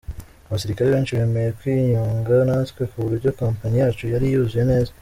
Abasirikare benshi bemeye kwiyunga natwe ku buryo compagnie yacu yari yuzuye neza.